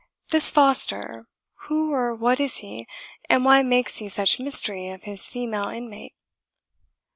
This Foster, who or what is he, and why makes he such mystery of his female inmate?"